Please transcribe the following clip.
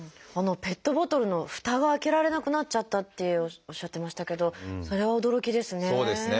ペットボトルのふたが開けられなくなっちゃったっておっしゃってましたけどそれは驚きですね。